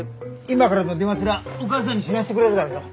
今からでも電話すりゃお母さんに知らせてくれるだろうよ。